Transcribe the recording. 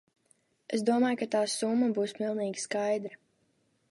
Es domāju, ka tā summa būs pilnīgi skaidra.